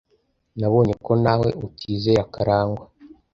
Nabonye ko nawe utizera Karangwa.